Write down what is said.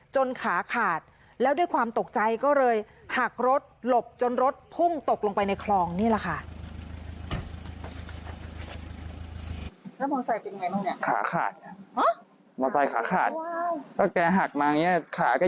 ขาขาดแล้วด้วยความตกใจก็เลยหักรถหลบจนรถพุ่งตกลงไปในคลองนี่แหละค่ะ